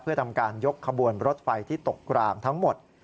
เพื่อทำการยกขบวนรถไฟที่ตกกลางทั้งหมด